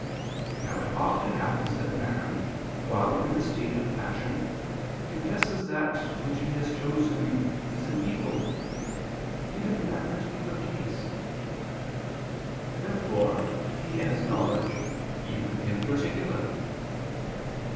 Now it often happens that man, while in a state of passion, confesses that what he has chosen is an evil, even in that particular case. Therefore he has knowledge, even in particular.